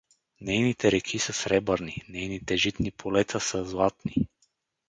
Нейните реки са „сребърни“, нейните житни полета са „златни“.